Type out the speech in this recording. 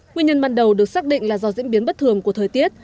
nguyên nhân ban đầu được xác định là do diễn biến bất thường của thời tiết